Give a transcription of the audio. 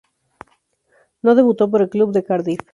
No debutó por el club de Cardiff.